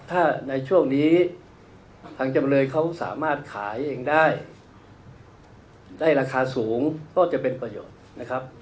ถ้าในช่วงนี้ทางจำเลยเขาสามารถขายเองได้ได้ราคาสูงก็จะเป็นประโยชน์นะครับ